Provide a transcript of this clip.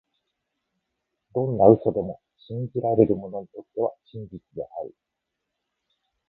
どんな嘘でも、信じられる者にとっては真実である。